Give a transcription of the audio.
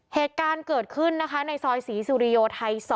เหตุการณ์เกิดขึ้นนะคะในซอยศรีสุริโยไทย๒